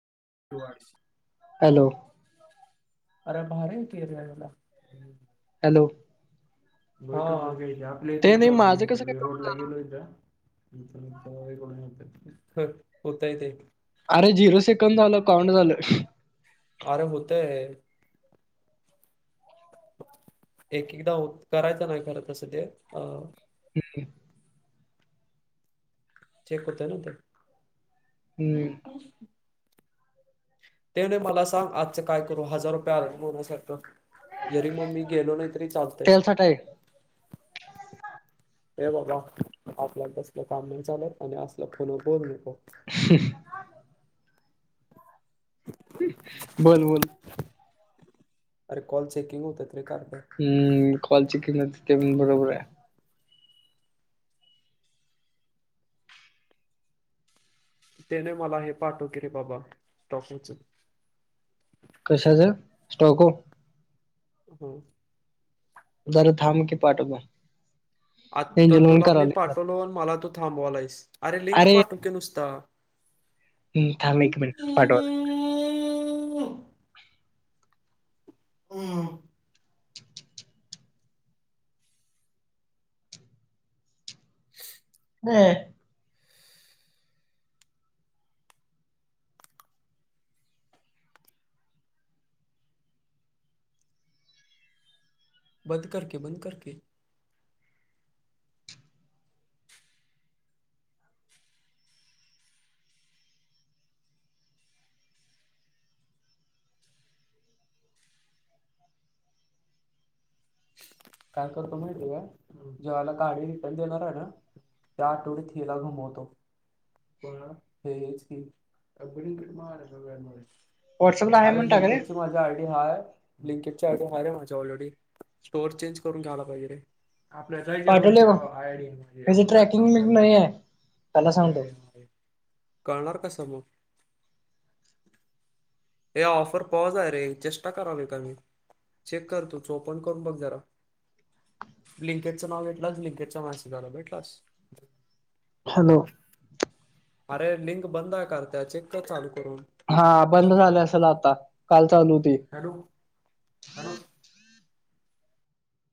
तु वाच हॅलो अरे भारी हे की यायला हॅलो होय हो आपले ते इथूनच नाही ऑर्डर माझं घेतले कसं काय रोड रोडला गेलो का [unintelligible] अरे झिरो सेकंड झाल काॅड झाल अरे होतय एक एकदा हो करायचं नाही खरं तसं ते अ हम्म चेक होतय ना ते हम्म ते नाय मला सांग आजचं काय करू हजार रुपये आरमु येण्यासारख. जरी मग मी गेलो नाही तरी चालतय. त्यालसाट आहे हे बाबा आपल्या तसल काम नाही चालत असलं फोन नको. हम ह बोल बोल अरे कॉल चेकिंग होत त रे काॅल बॅक हम्म कॉलची चेक होते ते पण बरोबर आहे. त्याने मला हे पाठव की रे बाबा टॉकोच कशाचं स्टॉको हम्म जरा थांब की पाठवतो. आता एंजल म्हणून तुला मी करावले पाठवलो मला तू थांबवाला आहेस अरे लिंक पाठव की नुसता, हम् थांब एक मिनिट पाठवा हम बर बंद करकी बंद करकी. काय करतो माहिती आहे का ज्या वेळेला गाडी रिटर्न देणार आहे ना. त्या आठवड्यात हिला घुमवतो. पण हेच की अगडकडे मार आहे बमुळे व्हॉट्सअपला आहे अरे म्हणून टाकले लिंकेजची माझ आयडी हाय लिंकेज आयडी हा रे माझी ऑलरेडी स्टोअर चेंज करून घ्यायला पाहिजे रे आपल्या जायच्या रोज पाठवले बघ आयडी म्हणे त्याची आपण जात ना ट्रॅकिंग लिंक नाही आहे त्याला किती सांगतो आयडी आहे कळणार कसं मग हे ऑफर पॉज आहे रे चेष्टा करावी का मी चेक कर तूच चोपन करून बघ जरा बिल्नकिटचं नाव घेतलास बिल्नकिटचा मॅसेज आला बघीतलास. हॅलो अरे लिंक बंद आहे करत्या चे चेक कर चालू करून. हा बंद झालं असेल आता काल चालू होती. Hello hello